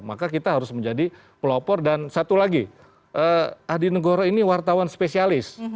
maka kita harus menjadi pelopor dan satu lagi adi negoro ini wartawan spesialis